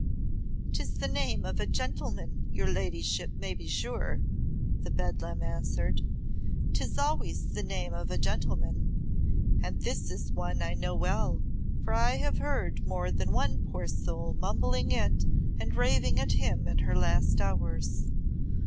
"'Tis the name of a gentleman, your ladyship may be sure," the beldam answered; "'tis always the name of a gentleman. And this is one I know well, for I have heard more than one poor soul mumbling it and raving at him in her last hours.